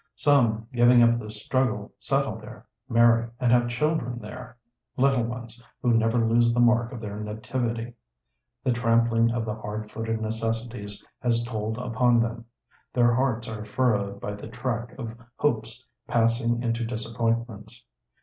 Some, giving up the struggle, settle there, marry, and have children there; little ones who never lose the mark of their nativity. The trampling of the hard footed necessities has told upon them ; their hearts are furrowed by the track of hopes passing into disappointments.